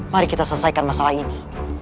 mari kita selesaikan masalah ini